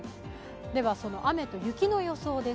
その雨と雪の予想です。